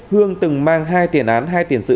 hương từng mang hai tiền án hai tiền sự